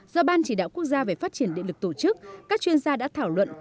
do ban chỉ đạo quốc gia về phát triển địa lực tổ chức các chuyên gia đã thảo luận